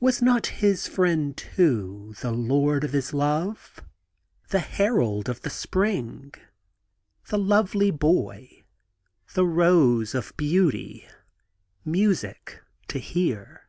Was not his friend, too, the 'lord of his love,' the 'herald of the spring,* the 'lovely boy,' the 'rose of beauty,' 'music to hear'?